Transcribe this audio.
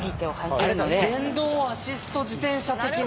あれだ電動アシスト自転車的な。